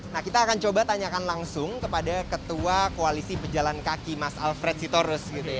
nah kita akan coba tanyakan langsung kepada ketua koalisi pejalan kaki mas alfred sitorus